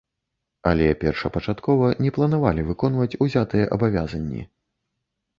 Але першапачаткова не планавалі выконваць узятыя абавязанні.